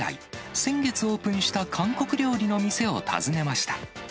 先月オープンした韓国料理の店を訪ねました。